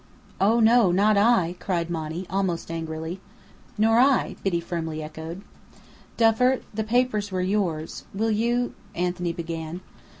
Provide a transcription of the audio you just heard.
"Oh no, not I!" cried Monny, almost angrily. "Nor I," Biddy firmly echoed. "Duffer, the papers were yours. Will you " Anthony began.